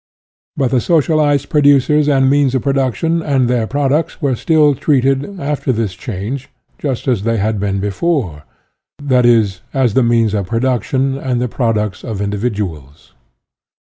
But the socialized producers and means of production and their products were still treated, after this change, just as they had been before, i. e., as the means of production and the products of individuals.